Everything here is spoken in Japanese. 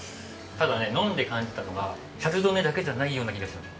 ただね飲んで感じたのがシャルドネだけじゃないような気がします。